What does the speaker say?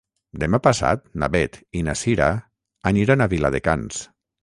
Demà passat na Beth i na Cira aniran a Viladecans.